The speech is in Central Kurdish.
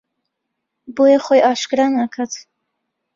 بۆیە خۆی ئاشکرا ناکات